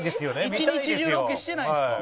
一日中ロケしてないんすか？